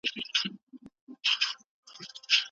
زده کوونکي په پوهنتونونو کي څېړني ترسره کوي.